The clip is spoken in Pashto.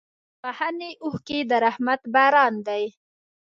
د بښنې اوښکې د رحمت باران دی.